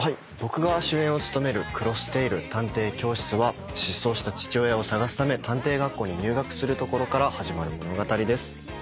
僕が主演を務める『クロステイル探偵教室』は失踪した父親を捜すため探偵学校に入学するところから始まる物語です。